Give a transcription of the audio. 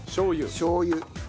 しょう油。